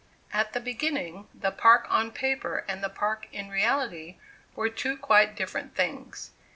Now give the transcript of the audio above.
At the beginning, the park on paper and the park in reality were two quite different things.